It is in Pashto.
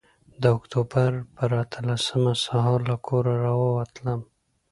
د اکتوبر پر اتلسمه سهار له کوره راووتلم.